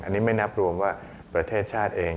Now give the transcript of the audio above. อันนี้ไม่นับรวมว่าประเทศชาติเอง